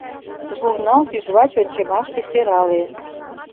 Журнал тӱжвач ончымаште сӧрале.